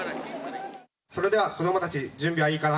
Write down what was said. それでは子どもたち準備はいいかな？